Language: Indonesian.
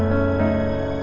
ini udah berakhir